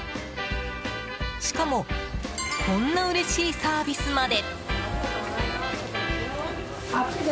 しかもこんなうれしいサービスまで。